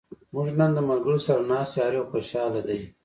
موږ نن د ملګرو سره ناست یو. هر یو خوشحاله دا.